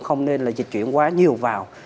không nên dịch chuyển quá nhiều vào